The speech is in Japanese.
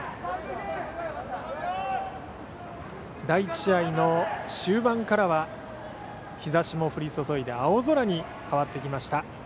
第１試合の終盤からは日ざしも降り注いで青空に変わってきました